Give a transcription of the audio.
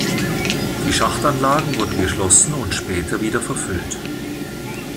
Die Schachtanlagen wurden geschlossen und später wieder verfüllt.